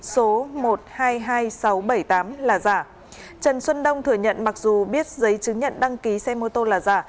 số một trăm hai mươi hai nghìn sáu trăm bảy mươi tám là giả trần xuân đông thừa nhận mặc dù biết giấy chứng nhận đăng ký xe mô tô là giả